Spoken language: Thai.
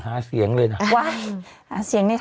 ฮ่าเสียงเลยนะ